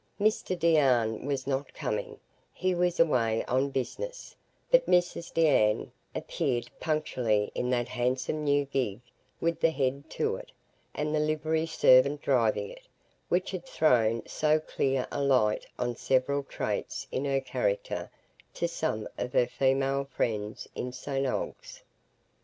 Mr Deane was not coming, he was away on business; but Mrs Deane appeared punctually in that handsome new gig with the head to it, and the livery servant driving it, which had thrown so clear a light on several traits in her character to some of her female friends in St Ogg's.